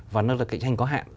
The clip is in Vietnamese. và nó là cái kinh doanh có hạn